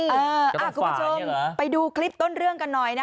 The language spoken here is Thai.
คุณผู้ชมไปดูคลิปต้นเรื่องกันหน่อยนะ